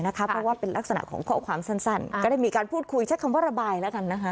เพราะว่าเป็นลักษณะของข้อความสั้นก็ได้มีการพูดคุยใช้คำว่าระบายแล้วกันนะคะ